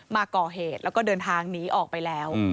มาก่อเหตุแล้วก็เดินทางหนีออกไปแล้ว